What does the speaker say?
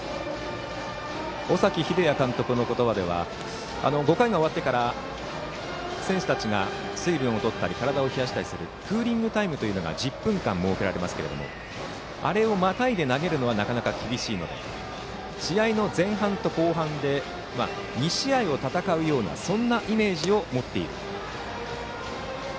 尾崎英也監督の言葉では５回が終わってから選手たちが水分を取ったり体を冷やしたりするクーリングタイムが１０分間設けられますがあれをまたいで投げるのはなかなか厳しいので試合の前半と後半で２試合を戦うようなそんなイメージを持っていると。